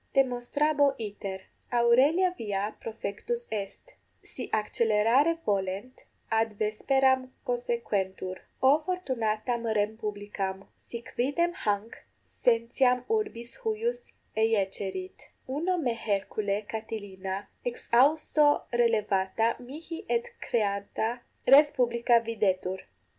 Demonstrabo iter: Aurelia via profectus est; si accelerare volent, ad vesperam consequentur. O fortunatam rem publicam, si quidem 7 hanc sentinam urbis huius eiecerit! Uno me hercule Catilina exhausto relevata mihi et recreata res publica videtur.